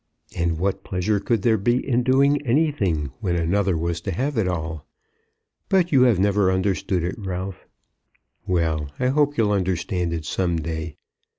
And what pleasure could there be in doing anything when another was to have it all? But you have never understood it, Ralph. Well; I hope you'll understand it some day.